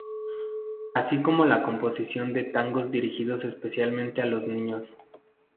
Así como la composición de tangos dirigidos especialmente a los niños.